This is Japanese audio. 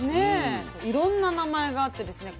いろんな名前があってですね